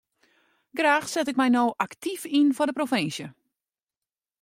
Graach set ik my no aktyf yn foar de provinsje.